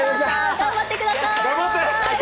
頑張ってください！